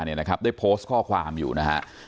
เนี่ยนะครับได้โพสต์ข้อความอยู่นะฮะ